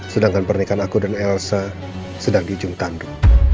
sedangkan pernikahan aku dan elsa sedang di jumtandu